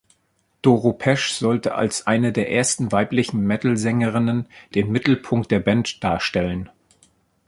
Doro Pesch sollte als eine der ersten weiblichen Metal-Sängerinnen den Mittelpunkt der Band darstellen.